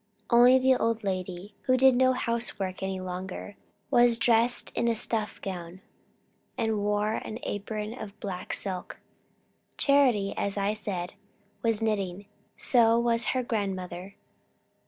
Only the old lady, who did no housework any longer, was dressed in a stuff gown, and wore an apron of black silk. Charity, as I said, was knitting; so was her grandmother.